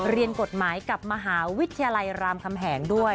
เรียนกฎหมายกับมหาวิทยาลัยรามคำแหงด้วย